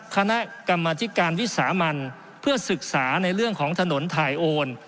คณะกรรมธิการวิสามันเพื่อศึกษาในเรื่องของถนนถ่ายโอน